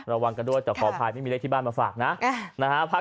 ระวังกันด้วยแต่ขออภัยไม่มีเลขที่บ้านมาฝากนะ